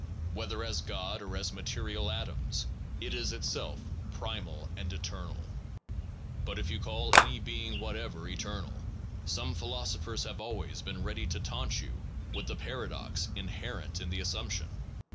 Whether as God or as material atoms, it is itself primal and eternal. But if you call any being whatever eternal, some philosophers have always been ready to taunt you with the paradox inherent in the assumption.